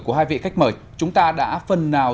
của hai vị khách mời chúng ta đã phần nào